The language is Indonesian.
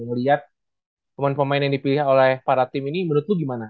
lo lihat teman teman yang dipilih oleh para tim ini menurut lo gimana